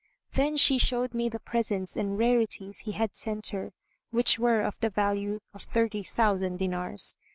Then she showed me the presents and rarities he had sent her, which were of the value of thirty thousand dinars.